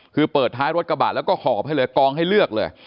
คือเปิดท้ายรถกระบะแล้วก็หอบให้เลยกองให้เลือกเลย